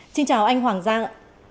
xin chào anh hoàng giang